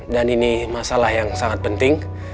dan ini masalah yang sangat penting